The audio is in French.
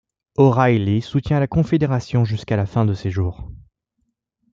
O'Reilly soutient la Confédération jusqu'à la fin de ses jours.